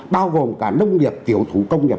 bao gồm cả nông nghiệp tiểu thủ công nghiệp